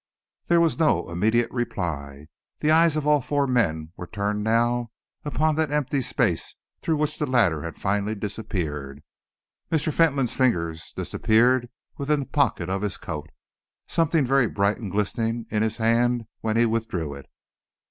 There was no immediate reply. The eyes of all four men were turned now upon that empty space through which the ladder had finally disappeared. Mr. Fentolin's fingers disappeared within the pocket of his coat. Something very bright was glistening in his hand when he withdrew it.